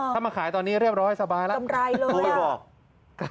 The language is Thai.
ถ้ามาขายตอนนี้เรียบร้อยสบายต้องมีหอก